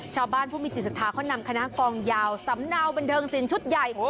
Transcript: ชาวบ้านผู้มีจิตศรัทธาเขานำคณะกองยาวสำเนาบันเทิงสินชุดใหญ่